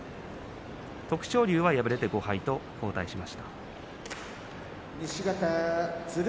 徳勝龍は敗れて５敗と後退しました。